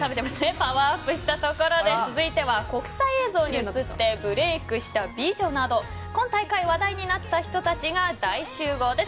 パワーアップしたところで続いては国際映像に映ってブレークした美女など今大会、話題になった人たちが大集合です。